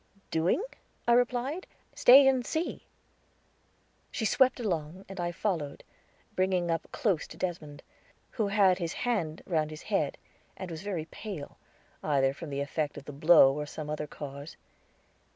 "Doing?" I replied; "stay and see." She swept along, and I followed, bringing up close to Desmond, who had his hand round his head, and was very pale, either from the effect of the blow or some other cause.